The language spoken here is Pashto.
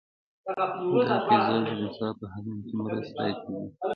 دا تیزاب د غذا په هضم کې مرسته کوي.